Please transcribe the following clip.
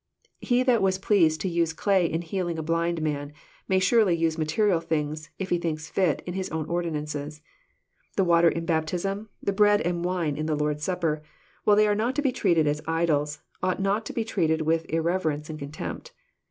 He that was pleased to use clay in healing a blind man, may surely use material things, if He thinks fit, in His own ordinances. The water in Baptism, and the bread and wine in the Lord's Supper, while they are not to be treated as idols, ought not to be treated with irreverence and contempt.